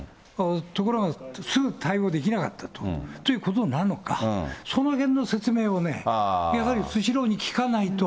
ところがすぐ対応できなかったということなのか、そのへんの説明をね、やはりスシローに聞かないと。